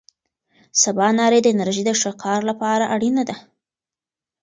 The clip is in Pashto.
سباناري د انرژۍ د ښه کار لپاره اړینه ده.